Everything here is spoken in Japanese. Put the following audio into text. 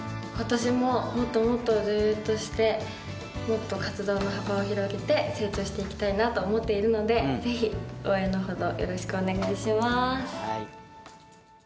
今年ももっともっと女優としてもっと活動の幅を広げて成長していきたいなと思っているのでぜひ応援のほどよろしくお願いします